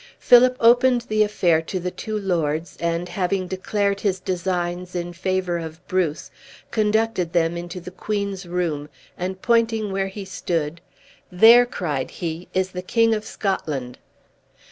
Philip opened the affair to the two lords; and having declared his designs in favor of Bruce, conducted them into t he queen's room, and pointing where he stood, "There," cried he, "is the King of Scotland."